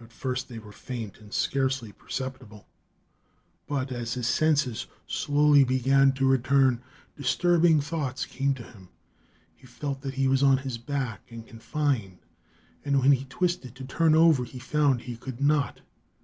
At first they were faint and scarcely perceptible; but, as his senses slowly began to return, disturbing thoughts came to him. He felt that he was on his back, and confined, and when he twisted, to turn over, he found he could not.